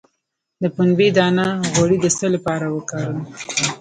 د پنبې دانه غوړي د څه لپاره وکاروم؟